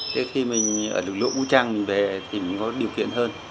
thế khi mình ở lực lượng vũ trang mình về thì mình có điều kiện hơn